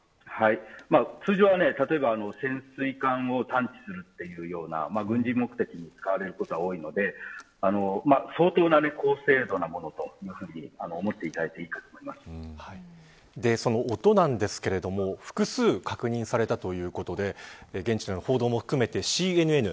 通常は潜水艦を探知するというふうな軍事目的に使われることが多いので相当の高精度のものというふうに思っていただいてその音なんですけれども複数確認されたということで現地での報道も含めてＣＮＮ。